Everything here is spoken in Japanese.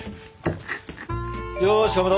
よしかまど